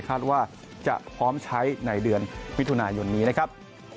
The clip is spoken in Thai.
คาดว่าจะพร้อมใช้ในเดือนมิถุนายนนี้นะครับ